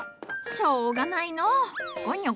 しょうがないのう。